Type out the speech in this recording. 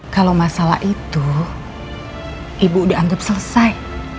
kalau masalah itu ibu udah anggap selesai